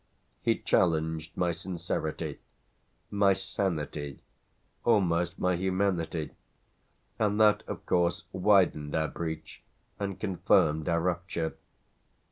He challenged my sincerity, my sanity, almost my humanity, and that of course widened our breach and confirmed our rupture.